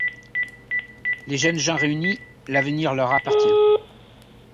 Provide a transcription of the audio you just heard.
Les jeunes gens réunis, l'avenir leur appartient.